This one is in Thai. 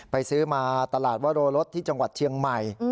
ซื้อมาตลาดวโรรสที่จังหวัดเชียงใหม่